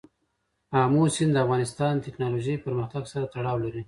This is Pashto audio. آمو سیند د افغانستان د تکنالوژۍ پرمختګ سره تړاو لري.